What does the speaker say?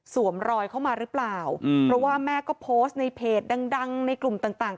รอยเข้ามาหรือเปล่าเพราะว่าแม่ก็โพสต์ในเพจดังดังในกลุ่มต่างต่าง